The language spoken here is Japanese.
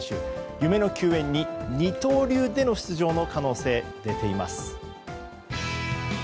夢の球宴に二刀流での出場の可能性が浮上しています。